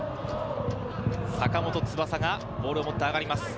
坂本翼がボールを持って上がります。